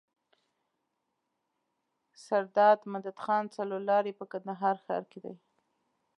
سرداد مدخان څلور لاری په کندهار ښار کي دی.